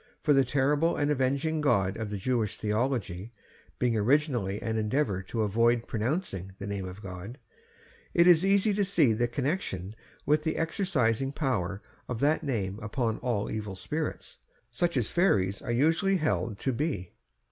for the terrible and avenging God of the Jewish theology, being originally an endeavour to avoid pronouncing the name of God, it is easy to see the connection with the exorcising power of that name upon all evil spirits, such as fairies are usually held to be.